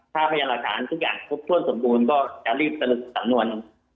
ถ้าประญาณกรการทุกอย่างพรุ่นสมบูรณ์ก็รีบสำนวน